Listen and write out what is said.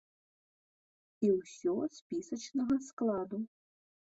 І ўсё спісачнага складу.